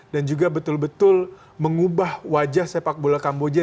dan juga betul betul mengubah wajah sepak bola kamboja